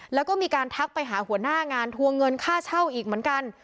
แล้วก็มีการทักไปหาหัวหน้างานทวงเงินค่าเช่าอีกเหมือนกัน